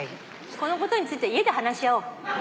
このことについては家で話し合おう。